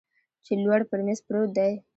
چې لوړ پر میز پروت دی